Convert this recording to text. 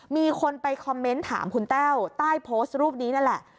มีคนไปคอมเมนต์ถามคุณแต้วใต้โพสต์รูปนี้นั่นแหละ